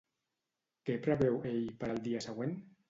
Què preveu ell per al dia següent?